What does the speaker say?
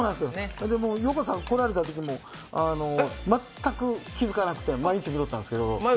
横田さん来られたときも全く気付かなくて毎日見とったんですけど。